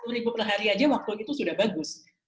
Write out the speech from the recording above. sepuluh ribu per hari aja waktu itu sudah bagus